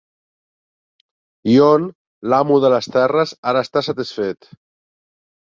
Ion, l'amo de les terres, ara està satisfet.